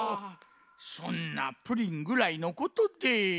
そんなプリンぐらいのことで。